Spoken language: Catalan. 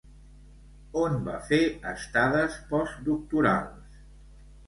On va fer estades postdoctorals?